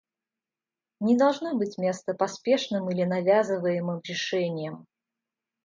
Не должно быть места поспешным или навязываемым решениям.